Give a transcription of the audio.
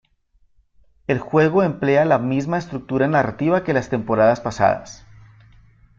El juego emplea la misma estructura narrativa que las temporadas pasadas.